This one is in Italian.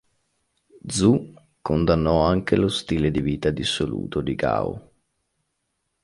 Zhou condannò anche lo stile di vita dissoluto di Gao.